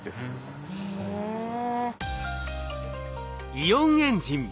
イオンエンジン